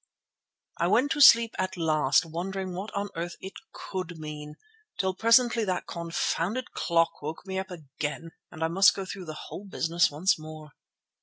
I went to sleep at last wondering what on earth it could mean, till presently that confounded clock woke me up again and I must go through the whole business once more.